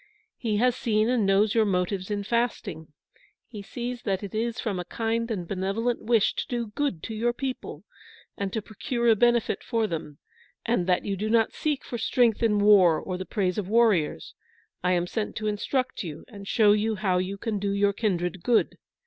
He has seen and knows your motives in fasting. He sees that it is from a kind and benevolent wish to do good to your people, and to procure a benefit for them, and that you do not seek for strength in war or the praise of warriors. I am sent to instruct you, and show you how you can do your kindred good."